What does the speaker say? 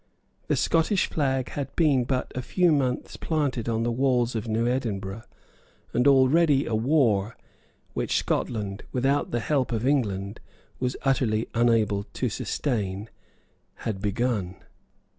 The Scottish flag had been but a few months planted on the walls of New Edinburgh; and already a war, which Scotland, without the help of England, was utterly unable to sustain, had begun.